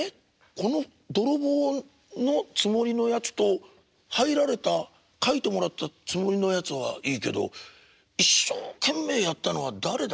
この泥棒のつもりのやつと入られた描いてもらったつもりのやつはいいけど一生懸命やったのは誰だ？